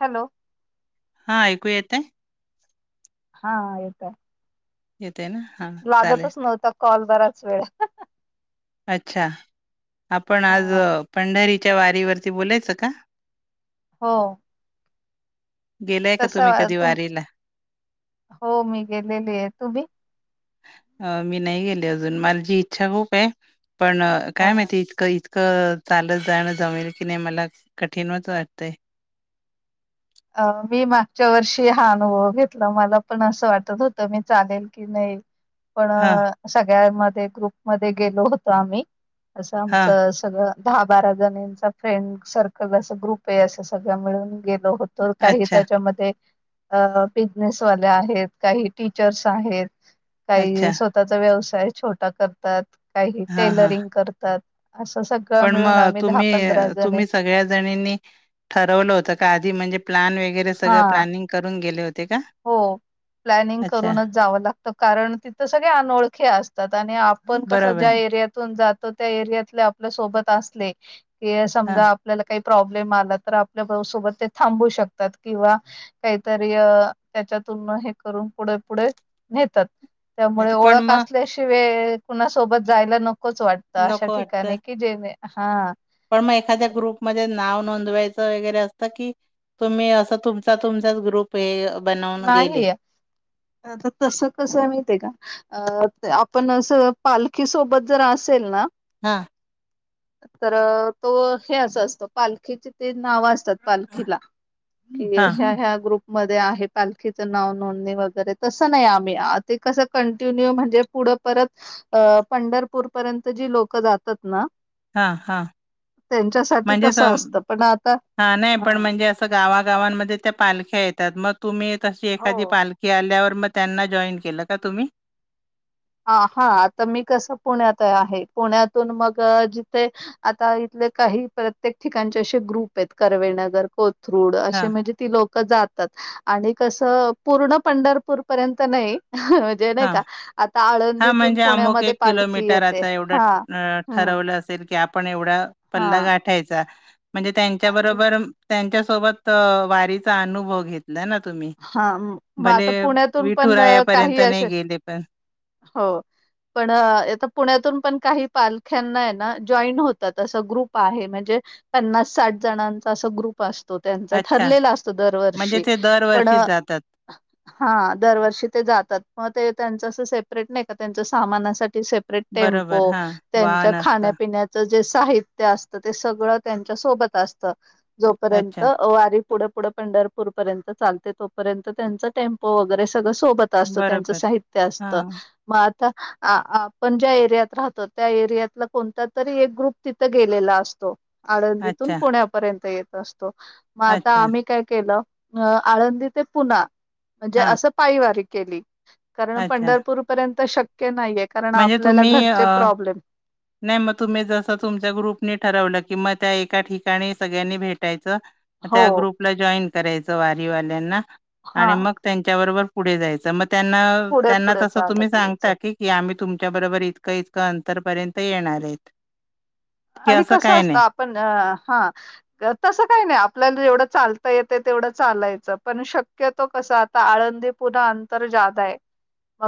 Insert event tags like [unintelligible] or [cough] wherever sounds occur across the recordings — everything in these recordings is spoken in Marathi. हॅलो हा ऐकू येते हा येतय येते ना- हा चालेल. लागतच नव्हता कॉल बराच वेळ अच्छा आपण आज हा पंढरीच्या वारीवरती बोलायच का हो गेलाय का कस तुम्ही वा कधी तु वारीला? हो मी गेलेली आहे तुम्ही अ मी नाही गेली अजुन माझी इच्छा खुप आहे पण हा काय माहिती इतक इतक चालत जाण जमल की नाही मला कठीणच वाटतय अ मी मागच्या वर्षी हा अनुभव घेतला मला पण अस वाटत होत मी चालेल की कि नाही पण हा सगळ्या मध्ये ग्रुपमध्ये गेलो होतो आम्ही अस हा आमच सगळ दहा बारा जणचा फ्रेंड सर्कल अस ग्रुप आहे अस सगळ मिळुन गेलो होतो तर काही अच्छा त्याच्यामध्ये अ बिजनेसवाल्या आहेत काही टीचर्स आहेत अच्छा काही स्वतः व्यवसाय छोटा करतात काही हा हा टेलरिंग करतात असं सळं पण मग तुम्ही, तुम्ही सगळ्या जणीनी. ठरवलं होतं का आधी म्हणजे प्लॅन वगैरे सगळं हा प्लॅनिंग करून गेले होते का? हो. प्लॅनिंग अच्छा करूनच जावं लागतं कारण तिथं सगळे अनोळखे असतात आणि आपण कसं बरोबर ज्या एरियात [inaudible] जातो त्या एरियातले आपल्या सोबत असले की हा समजा [inaudible] आप काही प्रॉब्लेम आला तर आपल्या सोबत ते थांबू शकतात किंवा काहीतरी त्याच्यातून हे करून पुढे पुढे नेतात. त्यामुळे अच्छा पण ओळख मग असल्याशिवाय कुणासोबत जायला नकोच वाटत. अशा नको वाटतं ठिकाणी कि [inaudible] जे हा. पण मग एखाद्या ग्रुपमध्येध्ये नाव नोंदवायचं वगैरे असतं की तुम्ही असं तुमचा तुमचाच ग्रुप हे बनवून गेले. तर तस कसं माहते आहे का? अ आपण असं पालखी सोबत जर असेल ना, हा. तर तो हे अस असतो पालखीचे ते नाव [inaudible] अस. पालखीला कि हा ह्या [inaudible] ग्रुप [inaudible] म आहे. पालखीच नाव नोंदणी वगैरे तसं नाही आम्ही ते कसं कंटिन्यू म्हणजे पुढं परत. अ पंढरपूर पर्यंत जी लोकं जातात ना. हां. हां. त्यांच्यासाठी म्हणजे स तसं असतं पण आता हां नाही हा पण म्हणजे असं. गावागावांमध्ये त्या पालख्या येतात मग तुम्ही तशी एखादी हो पालखी आल्यावर मग. त्यांना जॉईन केलं का तुम्ही. ह हा. आता मी कसं पुण्यात आहे. पुण्यातून मग जिथे. आता इथले काही प्रत्येक ठिकाणचे असे ग्रुप आहेत. करवेळनगर, कोथरूड हा असे म्हणजे. ती लोक जातात आणि कस पूर्ण पंढरपूर पर्यंत नाही. [inaudible] ज नाही हा का. आता हा आळंदीतून म्हणजे अमुक पुण्यामध्ये एक पालखी किलोमीटर येते आता हा एवढं हम्म ठरवलं असेल की आपण एवढं. हा पल्ला गाठायचा म्हणजे, त्यांच्या आहे बरोबर. त्यांच्यासोबत वारीचा अनुभव घेत. [inaudible] द ना तुम्ही. हा मग भले आता पुण्यातून पण विठुरायापर्यंत काही नाही असे गेले पण हो. पण आता पुण्यातून पण काही पालख्यांना आहे ना जॉईन होतात. असं ग्रुप आहे म्हणजे. पन्नास, साठ जणांचा अस ग्रुप असतो त्यांचा अच्छा ठरलेला असतो म्हणजे दरवर्षी. ते दरवर्षी जातात. ह [unintelligible] [inaudible] हा दरवर्षी ते जातात मग ते त्यांचं असं सेपरेट नाही का त्यांच सामानासाठी सेप टेम्पो बरोबर हा त्यांच्या वाहन असतं खाण्यापण्या जे साहित्य असत ते सगळं त्यांच्या सोबत असत. जोपर्यंत, अच्छा वारी पुढे पुढे पंढरपूर पर्यंत चालत. तोपर्यंत त्यांच टेम्पो वगैरे सगळं सोबत असतं, त्यांच बरोबर साहित्य हा असतं. मग आता, आपण ज्या एरियात राहतो, त्या एरियातला कोणता तरी एक ग्रुप, तिथं गेलेला असतो. आळंदीतून अच्छा पुण्यापर्यंत येत असतो, मग आता अच्छा आम्ही काय केलं, अ आळंदी ते [inaudible] पु्ना, म्हणजे हा असं, पाईवारी केली, कारण अच्छा पंढरपूर. पर्यंत शक्य नाहीये, कारण म्हणजे आपल्याला तुम्ही घरचे अ प्रॉब्लेम, नाही मग तुम्ही जस तुमच्या ग्रुपनी ठरवल, की मग त्या एका ठिकाणी सगळ्यांनी भेटायच. हो त्या ग्रुपला जॉईन करायच, वारीवाल्यांना हा आणि मग त्यांच्याबरोबर पुढे जायच, मग त्यांना, पुढे त्यांना पुढे तस तुम्ही चालत यायचं सांगता की, की आम्ही तुमच्या बरोबर इतक इतक अंतरपर्यंत येणार आहे. आणि कस असत आपण, हां. तस काही नाही, आपल्याला जेवढ चालता येतय तेवढ चालायच, पण शक्यतो कस आळंदी पुना अंतर जादा आहे.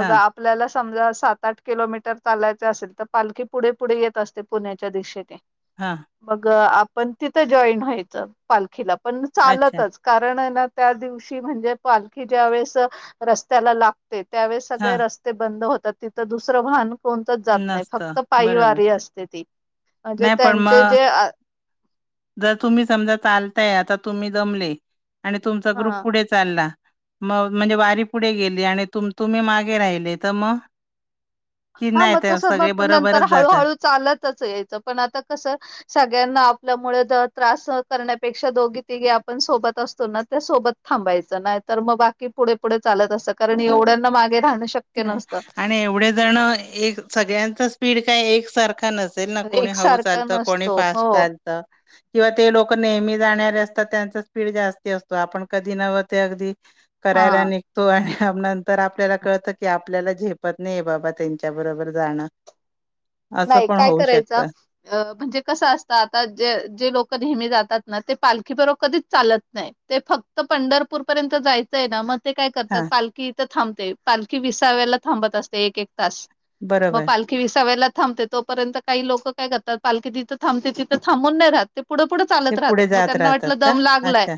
हा आपल्याला समजा सात आठ किलोमीटर चालायच असेल, तर पालखी पुढे पुढे येत असते पुण्याची. त्या दिशेने. हां. मग, आपण तिथ जॉईन व्हायच, पालखीला पण अच्छा चालतच. कारणय ना त्या दिवशी, म्हणजे पालखी ज्या वेळेस रस्त्याला लागते, ते त्यावेळेस हा सगळे रस्ते बंद होतात, तिथ दुसर वाहन कोणतच जात नाही, नसतं फक्त पायी बरोबर वारी असते ती. म्हणजे नाही पण त्यांचे मग जे ह जर तुम्ही समजा चालताय, आता तुम्ही दमले, आणि तुमचा ग्रुप पुढे चालला, मग म्हणजे वारी पुढे गेली, आणि तुम्ही मागे राहिले तर मग? कि हा नाही मग ते तस मग, सगळे नंतर बरोबरच जाता हळूहळू चालतच यायच, पण आता कस, सगळ्यांना आपल्यामुळे त्रास सहन करण्यापेक्षा, दोघी तिघी आपण सोबत असतो ना त्या सोबत थांबायच नाहीतर मग बाकी पुढे पुढे चालत असत कारण एवढ्यांना मागे राहण शक्य नाही, नसतं आणि एवढे जण, एक सगळ्यांचा स्पीड काय एक सारखा नस असल ना, कोणी हळू एकसारखा चालत कोणी नसतो हो फास्ट चालत. किंवा ते लोक नेहमी जाणारे असतात, त्यांचा स्पीड जास्ती असतो, आपण कधी नव्ह ते अगदी हा करायला निघतो, आणि नंतर आपल्याला कळत की की आपल्याला झेपत नाहीये बाबा त्यांच्या बरोबर जाण. नाही काय करायच. अ म्हणजे कस असत आता, जे, जे लोक नेहमी जातात ना, ते पालखी बरोबर कधीच चालत नाही. ते फक्त पंढरपूर पर्यंत जायचय ना, मग ते काय करतात, हा पालखी इथ थांबते, पालखी विसाव्याला थांबत असते एक एक तास. मग बरोबर पालखी विसाव्याला थांबते, तोपर्यंत काही लोक काय करतात, पालखी तिथ थांबते तिथ थांबून नाही राहात. ते पुढ पुढ ते चालत पुढे राहतात, मग जात त्यांना राहतात वाटल का दम लागलाय, अच्छा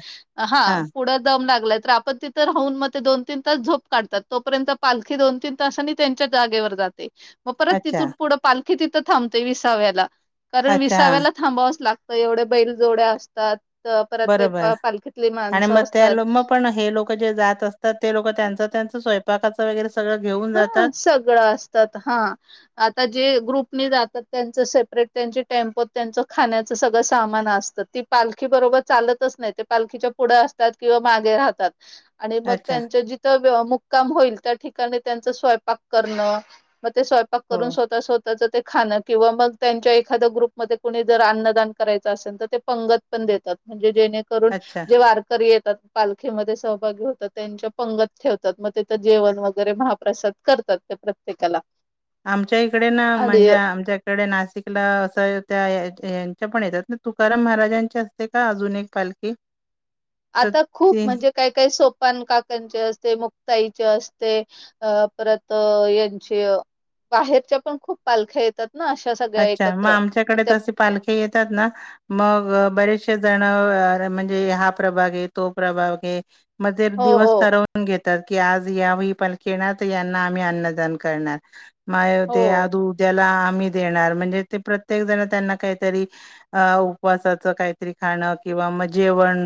हा पुढ दम लागलाय तर आपण, तिथ राहून मग ते दोन तीन तास झोप काढतात, तोपर्यंत पालखी दोन तीन तासांनी त्यांच्या जागेवर जाते. मग परत अच्छा तिथून पुढ पालखी तिथ थांबते विसाव्याला, कारण अच्छा हा विसाव्याला थांबावच लागत. एवढे बैल जोड्या असतात, तर परत ते बरोबर पालखीतले आणि माणस मग त्या असतात. लो- मग पण हे लोक जे जात असतात, ते लोक त्यांचा त्यांचा स्वयंपाक करतात वगैरे सगळ घेऊन? हा, जातात सगळ असतात, हां. आता जे ग्रुपने जातात, त्यांच सेपरेट त्यांचे टेम्पोत त्यांच्या खाण्याच सगळ सामान असत. ते पालखी बरोबर चालतच नाही, ते पालखीच्या पुढ असतात किंवा मागे राहतात. आणि मग अच्छा त्यांचा जिथ मुक्काम होईल, त्या ठिकाणी त्यांचा स्वयपाक करण, मग ते स्वयंपाक हो करून स्वतःच्या स्वतः त्यांच ते खाण किंवा मग त्यांच्या एखाद्या ग्रुपमध्ये कुणी जर अन्नदान करायच असेल तर ते पंगत पण देतात. म्हणजे जेणेकरून अच्छा जे वारकरी येतात पालखीमध्ये सहभागी होतात त्यांच्या पंगत ठेवतात. मग तिथं जेवण वगैरे भा प्रसाद करतात त्या प्रत्येकाला. आमच्या इकडे ना, आणि म्हणजे आमच्या कडे नाशिकला असं त्या यांच्या पण येतात, तुकाराम महाराजांची असते का अजून एक पालखी. तर आता खूप ती म्हणजे काय काय सोपान काकांची असते, मुक्ताईची असते. अ परत यांच्या, बाहेरच्या पण खूप पालख्या येतात. ना अशा सगळ्या एकत्र, मग त्या पालख्या येतात ना मग बरेचसे जण म्हणजे हा प्रभाग आहे, तो प्रभाग आहे. मग ते हो दिवस हो ठरव वून घेतात की, आज यावेळी पालखी येणार, तर यांना आम्ही अन्नदान करणार. मा ते आज उद्याला आम्ही देणार, म्हणजे ते प्रत्येक जण त्यांना काहीतरी अ उपवासाच काहीतरी खाणं किंवा मग जेवण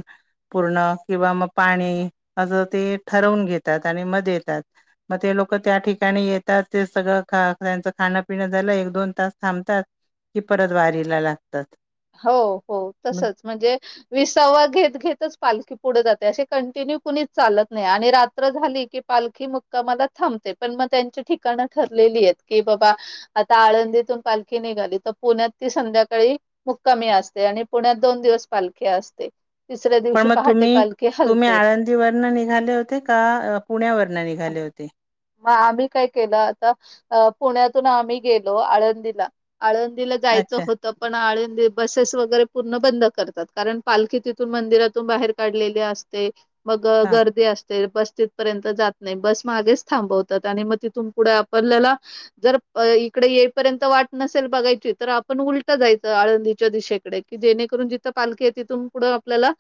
पूर्ण किंवा मग हो पाणी, असं ते ठरवून घेतात आणि मग देतात. म ते लोक त्या ठिकाणी येतात. ते सगळं त्यांचं खाणंपिणं झालं, एक दोन तास थांबतात, की परत वारीला लागतात. हो हो मग तसंच म्हणजे विसावा घेत घेतच पालखी पुढ जाते. असे कंटिन्यू कुणीच चालत नाही. आणि रात्र झाली की पालखी मुक्कामाला थांबते. पण मग त्यांची ठिकाणं ठरलेली आहेत, की बाबा आता आळंदीतून पालखी निघाली, तर पुण्यात ती संध्याकाळी मुक्कामी असते आणि पुण्यात दोन दिवस पालखी असते. तिसऱ्या पण दिवशी मग पहाटे तुम्ही, पालखी तुम्ही हलते. आळंदीवरन निघाले होते का पुण्यावरन निघाले होते? मग आम्ही काय केलं आता अ पुण्यातून आम्ही गेलो आळंदीला. आळंदीला जायचं अच्छा होतं पण आळंदी बसेस वगैरे पूर्ण बंद करतात. कारण पालखी तिथून मंदिरातून बाहेर काढलेली असते. मग हां गर्दी असते. बस ती थ पर्यंत जात नाही, बस मागेच थांबवतात. आणि मग तिथून पुढे आपल्याला जर अ इकडे येईपर्यंत वाट नसेल बघायची, तर आपण उलट जायचं आळंदी च्या दिशेकडे. की जेणेकरून जिथं पालखी आहे, तिथून पुढं आपल्याला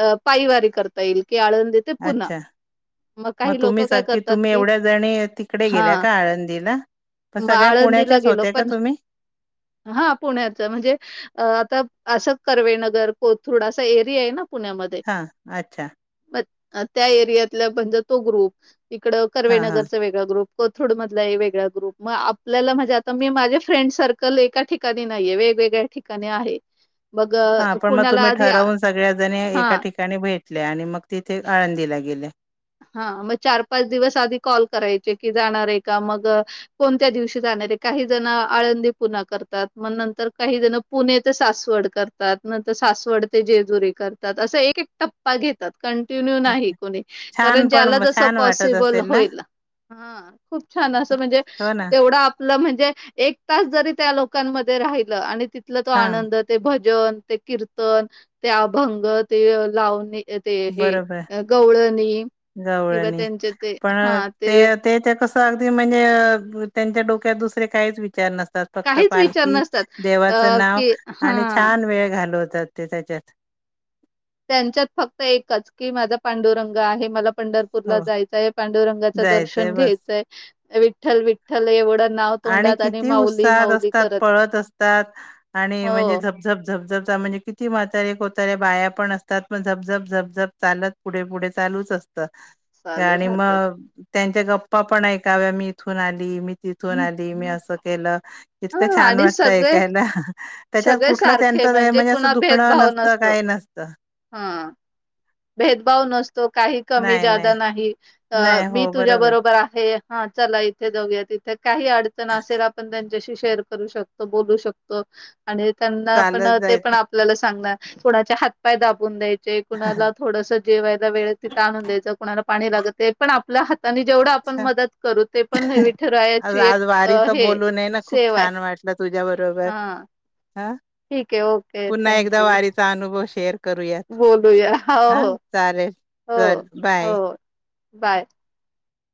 अ पायी वारी करता येईल, की आळंदी ते पुणा. अच्छा. मग काही तुम्ही लोकं काय सकी करतात, तुम्ही की एवढ्या जणी तिकडे गेल्या हां का आळंदीला? मग सगळ्या पुण्याच्याच होत्या का तुम्ही? हा पुण्याच्या, म्हणजे अ आता असं कर्वेनगर, कोथरूड असा एरिया आहे ना पुण्यामध्ये. हा, अच्छा. मग त्या एरियातला म्हणजे तो ग्रुप, इकडं हां हां कर्वेनगरच वेग ग्रुप कोथरूड मधला अ वेगळा ग्रुप. मग आपल्याला म्हणजे आता मी माझे फ्रेंड्स सर कल एका ठिकाणी नाहीये, वेगवेगळ्या ठिकाणी आहे. मग हा अ, पण मग कुणाला तुम्ही आधी आ ठरवून सगळ्याजणी हां. एका ठिकाणी भेटल्या, आणि मग तिथे आळंदीला गेल्या. हा मग चार पाच दिवस आधी कॉल करायचे, की जाणार आहे का मग कोणत्या दिवशी जाणार आहे. काहीजण आळंदी पुणा करतात. मग नंतर काहीजण पुणे ते सासवड करतात. नंतर सासवड ते जेजुरी करतात. असं एक एक टप प्पा घेतात, कंटिन्यू नाही अच्छा कोणी. छान कारण पण ज्याला जसं छान वाटत पॉसिबल असेल ना होईल. हा, खूप छान असं म्हणजे हो ना तेवढा आप ल म्हणजे एक तास जरी त्या लोकांमध्ये राहिलं, आणि तिथला तो हा आनंद ते भजन, ते कीर्तन, ते अभंग, ते लावणी अ, ते हे बरोबर गवळनी. गवळणी पण त्याच्यात ते त्या कसं अगदी म्हणजे, त्यांच्या डोक्यात दुसरे काहीच विचार नसतात. फक्त काहीच विचार पालखी नसतात. अ, देवाचं नाव की आणि हां, छान वेळ घालवतात. ते त्याच्यात त्यांच्यात फक्त एकच की माझा पांडुरंग आहे. मला पंढरप पूरला हो जायचय, पांडुरंगांच जायचंय दर्शन बस घ्यायचंय. विठ्ठल, विठ्ठल एवढं नाव आणि तोंडात किती माऊली, उत्साहात माऊली असतात. करत. पळत असतात आणि म्हणजे हो, झपझप झप म्हणजे किती, म्हातारे, कोतारे बाया पण असतात. पण झपझप झपझप चालत पुढे पुढे चालूच असतात. चालू आणि राहतात. मग त्यांच्या गप्पा पण ऐकाव्या. मी इथून आली, मी तिथ थून आली. मी असं केलं इतकं हां छान आणि वाटतं सगळे ऐकायला. त्याच्यात सगळे कुठलं सारखे त्यांचं हे म्हणजे असं कुणा दुखणं भेदभाव नसतं, नसतो. काय नसतं [inaudible] हां. भेदभाव नसतो. काही कमी जादा नाही. नाही मी हो तुझ्या बरोबर आहे, हा चला इथे जाऊया, तिथे काही अडचण असेल, आपण त्यांच्याशी शेअर करू शकतो बोलू शकतो. तो. आणि त्यांना पण चालत ते पण जायचं आपल्याला सांगणार. कुणाचे हातपाय दाबून द्यायचे, कुणाला थोडस जेवायला वेळ तिथ आणून द्यायंच, कुणाला पाणी लागत, ते पण आपल्या हातात आणि जेवढा आपण छान. मदत करू, ते पण आज विठुरायाची आज एक वारीच हे बोलून आहे ना खूप सेवा आहे. छान वाटलं तुझ्या बरोबर हा हा, ठीक आहे ओके पुन्हा एकदा थँक्यू वारीचा अनुभव शेअर करूयात हो बोलुया हो. हा चालेल, हो चल बाय. हो बाय.